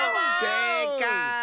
せいかい。